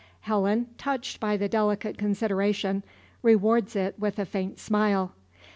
Helen, touched by the delicate consideration, rewards it with a faint smile.